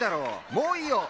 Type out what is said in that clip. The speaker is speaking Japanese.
もういいよっ！